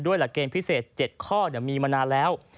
หลักเกณฑ์พิเศษ๗ข้อมีมานานแล้ว